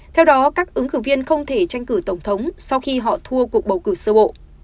theo đó các ứng cử viên không thể tranh cử tổng thống sau khi họ thua cuộc bầu cử sơ bộ